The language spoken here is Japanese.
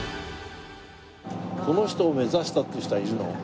この人を目指したっていう人はいるの？